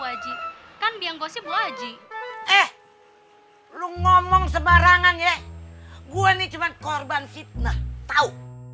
wajib kan biang gosip wajib eh lu ngomong sebarangan ya gua nih cuma korban fitnah tahu